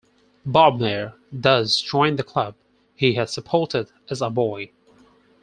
Bodmer thus joined the club he had supported as a boy.